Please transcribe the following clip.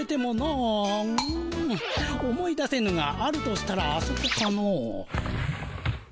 うん思い出せぬがあるとしたらあそこかの。